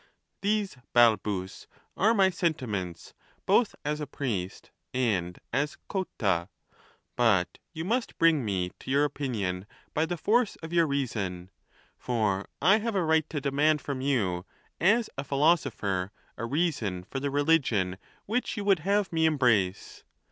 These, Balbus, are my sentiments both as a priest and as Cotta. But you must bring me to your opinion by the force of your reason : for I have a right to demand from you, as a philosopher, a reason for the re ligion which you would have me embrace.